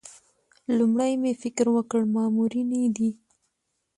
لومړی مې فکر وکړ مامورینې دي.